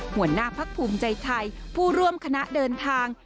หัวหน้าพักภูมิใจไทยผู้ร่วมคณะเดินทาง